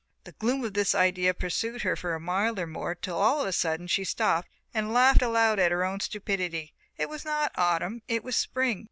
The gloom of this idea pursued her for a mile or more till all of a sudden she stopped and laughed aloud at her own stupidity. It was not autumn, it was spring.